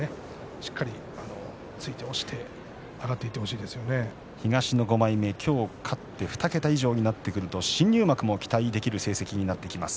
しっかりと突いて押して東の５枚目、今日勝って２桁以上になりますと新入幕も期待できる成績になってきます。